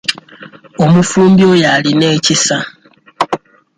Omufumbi oyo alina ekisa.